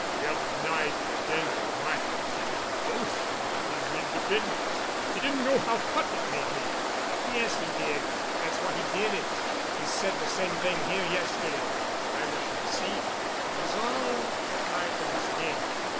The other night at dinner at my house he was boasting of his independence. He didn't know how hot it made me." "Yes, he did. That's why he did it. He said the same thing here yesterday. But I wasn't deceived. It was all a part of his game.